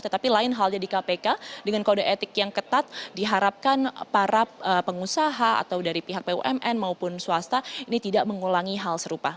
tetapi lain halnya di kpk dengan kode etik yang ketat diharapkan para pengusaha atau dari pihak bumn maupun swasta ini tidak mengulangi hal serupa